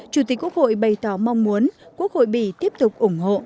chủ tịch quốc hội bày tỏ mong muốn quốc hội bỉ tiếp tục ủng hộ